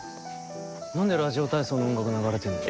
何で「ラジオ体操」の音楽流れてるの。